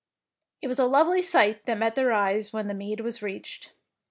It was a lovely sight that met their eyes when the mead was reached.